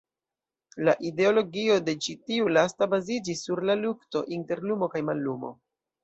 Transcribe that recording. La ideologio de ĉi tiu lasta baziĝis sur la lukto inter lumo kaj mallumo.